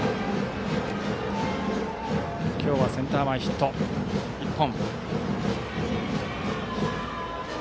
今日はセンター前ヒット１本。